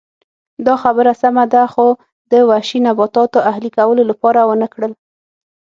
دا خبره سمه ده خو د وحشي نباتاتو اهلي کولو لپاره ونه کړل